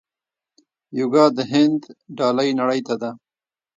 یوګا د هند ډالۍ نړۍ ته ده.